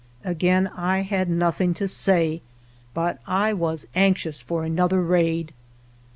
Again I had nothing to say, but I was anx ious for another raid.